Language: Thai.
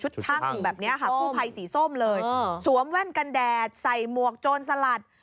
ช่างแบบนี้ค่ะกู้ภัยสีส้มเลยสวมแว่นกันแดดใส่หมวกโจรสลัด